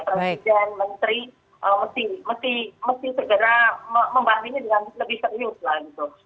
presiden menteri mesti segera membahas ini dengan lebih serius lah gitu